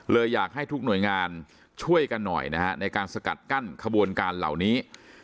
อยากให้ทุกหน่วยงานช่วยกันหน่อยนะฮะในการสกัดกั้นขบวนการเหล่านี้